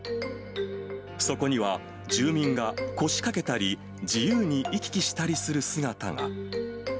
そこには、住民が腰かけたり、自由に行き来したりする姿が。